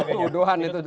tuduhan itu jelas